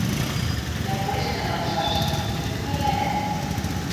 Яклештӹн, маншаш. Трӱк тӧрлӓнӓ?